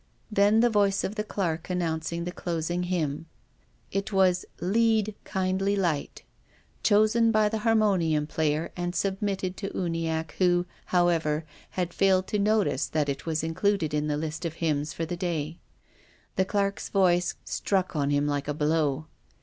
Then the voice of the clerk announced the closing hymn. It was " Lead, Kindly Light," chosen by the harmonium player and submitted to Uniacke, who, however, had failed to notice that it was included in the list of hymns for the day. The clerk's voice struck on him like a blow.